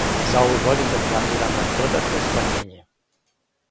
За ову годину планирано је додатно смањење.